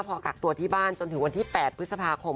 พอกักตัวที่บ้านจนถึงวันที่๘พฤษภาคม